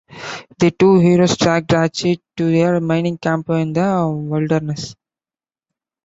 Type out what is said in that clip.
The two heroes track Drache to a mining camp in the wilderness.